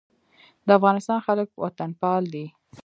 د افغانستان خلک وطنپال دي